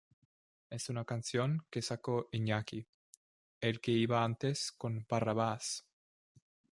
Es una canción que sacó Iñaki, el que iba antes con Barrabás.